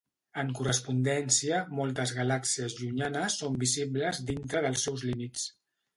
En correspondència, moltes galàxies llunyanes són visibles dintre dels seus límits.